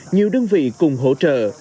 nhiều đơn vị cùng hỗ trợ